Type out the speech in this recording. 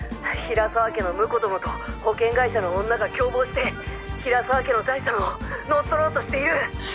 平沢家の婿殿と保険会社の女が共謀して平沢家の財産を乗っ取ろうとしている。